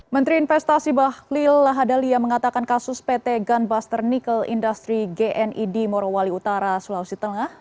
menteri investasi bahlil lahadalia mengatakan kasus pt gunbuster nickel industry gni di morowali utara sulawesi tengah